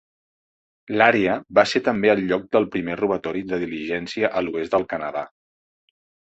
L'àrea va ser també el lloc del primer robatori de diligència a l'oest del Canadà.